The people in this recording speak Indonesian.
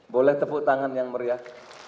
boleh tepuk tangan yang meriah